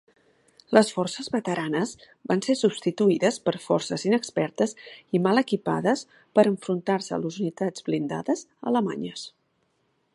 Les forces veteranes van ser substituïdes per forces inexpertes i mal equipades per enfrontar-se a les unitats blindades alemanyes.